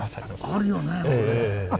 あるよね。